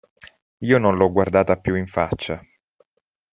Io non l'ho guardata più in faccia.